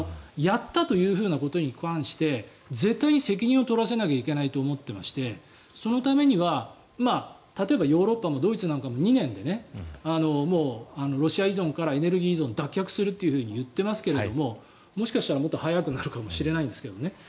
やったということに関して絶対に責任を取らせないといけないと思っていましてそのためには例えばヨーロッパもドイツなんかも２年でもうロシア依存からエネルギー依存脱却するといっていますがもしかしたらもっと早くなるかもしれませんけどね。